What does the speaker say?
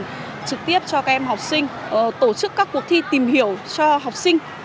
trực tiếp cho các em học sinh tổ chức các cuộc thi tìm hiểu cho học sinh